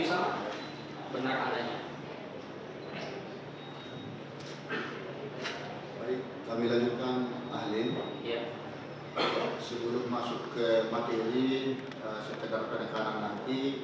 sebelum masuk ke materi sekedar penekanan nanti